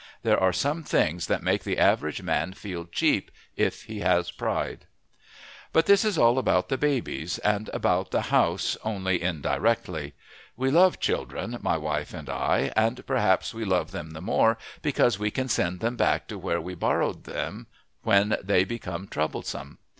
There are some things that make the average man feel cheap, if he has pride. But this is all about the babies, and about the House only indirectly. We love children, my wife and I, and, perhaps, we love them the more because we can send them back to where we borrowed them when they become troublesome.